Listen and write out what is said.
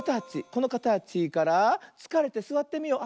このかたちからつかれてすわってみよう。